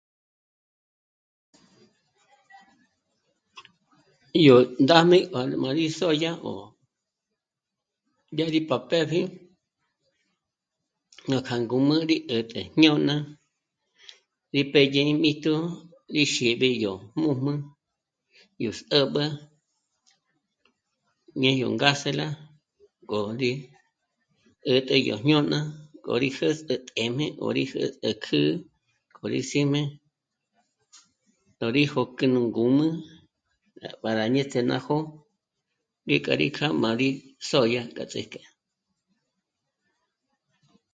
Yó ndá'm'e 'ó má rí sódya 'ó dyá rí pá pë́pji núkja ngǔm'ü rí 'ä̀t'ä jñôna gí pédye í míjtu gí xíri yó jmū́jmū, yó sä̌'b'ä ñé yó ngásela gó ndì'i 'ä̀t'ä yó jñôna k'o rí jä̂'s'ü téjm'e k'o rí jä̂'s'ü kjä́'ä k'o rí sí'm'e tö̌'ö rí jojk'e nú ngǔm'ü para ñéts'e ná jó'o ngík'a mí kjâ'a má rí sódya k'a ts'íjk'e